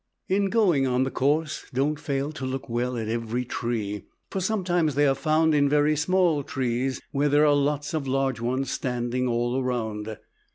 In going on the course don't fail to look well at every tree, for sometimes they are found in very small trees when there are lots of large ones standing all around.